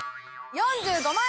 ４５万円⁉